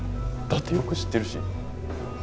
だってよく知ってるし。